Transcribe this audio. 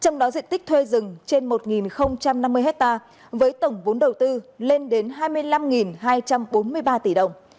trong đó diện tích thuê rừng trên một năm mươi hectare với tổng vốn đầu tư lên đến hai mươi năm hai trăm bốn mươi ba tỷ đồng